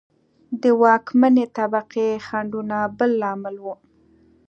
د واکمنې طبقې خنډونه بل لامل و.